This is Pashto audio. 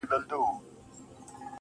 خبرېږم زه راته ښېراوي كوې.